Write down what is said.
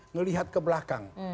ngelihat ke belakang